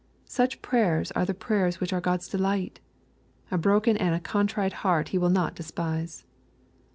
Such prayers are the prayers which are God's delight. A broken and a contrite heart He will not despise.